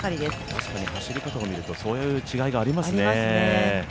確かに走り方を見るとそんな違いがありますね。